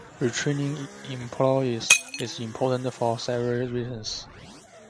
Retraining employees is important for several reasons.